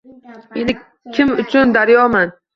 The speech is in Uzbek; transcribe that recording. Men kim uchun daryoman